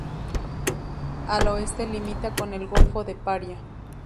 Al oeste limita con el Golfo de Paria.